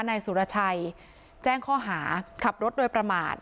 นายสุรชัยแจ้งข้อหาขับรถโดยประมาท